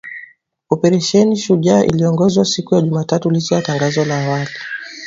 Oparesheni Shujaa iliongezwa siku ya Jumatano licha ya tangazo la awali